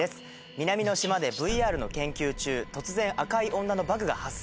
南の島でＶＲの研究中突然赤い女のバグが発生。